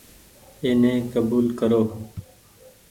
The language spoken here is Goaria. اي ني ڪبول ڪرو ۔